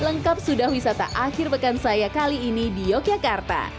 lengkap sudah wisata akhir pekan saya kali ini di yogyakarta